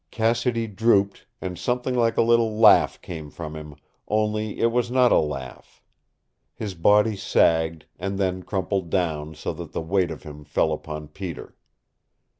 Cassidy drooped, and something like a little laugh came from him only it was not a laugh. His body sagged, and then crumpled down, so that the weight of him fell upon Peter.